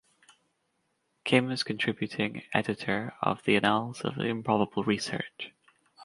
Kim is contributing editor of the Annals of Improbable Research.